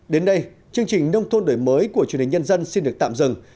đến đây chương trình nông thôn đổi mới của truyền hình nhân dân xin được tạm dừng